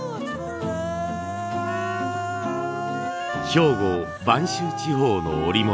兵庫播州地方の織物。